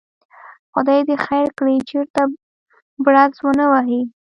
خدای دې خیر کړي، چېرته بړز ونه وهي.